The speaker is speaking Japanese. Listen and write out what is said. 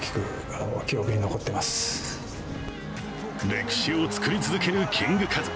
歴史を作り続けるキングカズ。